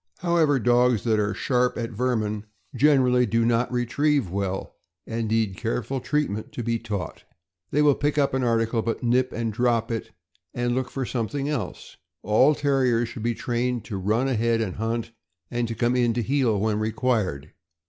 However, dogs that are sharp at vermin generally do not THE BEDLINGTON TERRIER. 407 retrieve well, and need careful treatment to be taught. They will pick up an article, but nip and drop it, and look for something else. All Terriers should be trained to run ahead and hunt and to come in to heel when required.